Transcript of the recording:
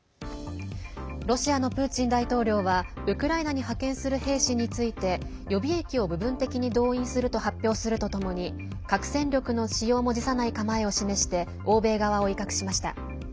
ロシアのプーチン大統領はウクライナに派遣する兵士について予備役を部分的に動員すると発表するとともに核戦力の使用も辞さない構えを示して欧米側を威嚇しました。